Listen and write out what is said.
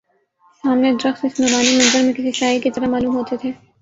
سامنے درخت اس نورانی منظر میں کسی سائے کی طرح معلوم ہوتے تھے